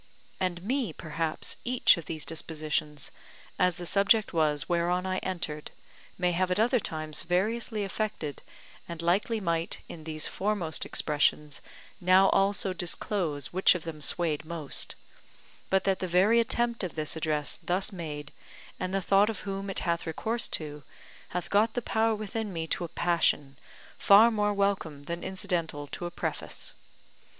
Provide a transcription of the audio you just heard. And me perhaps each of these dispositions, as the subject was whereon I entered, may have at other times variously affected; and likely might in these foremost expressions now also disclose which of them swayed most, but that the very attempt of this address thus made, and the thought of whom it hath recourse to, hath got the power within me to a passion, far more welcome than incidental to a preface.